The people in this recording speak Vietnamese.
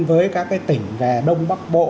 với các tỉnh về đông bắc bộ